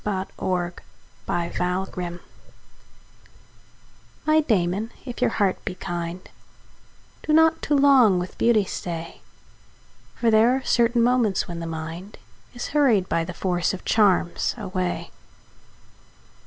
from The Lover's Watch (1686) My Damon, if your heart be kind, Do not too long with beauty stay; For there are certain moments when the mind Is hurried by the force of charms away.